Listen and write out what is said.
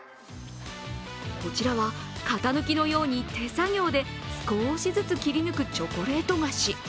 こちらは、型抜きのように手作業で少しずつ切り抜くチョコレート菓子。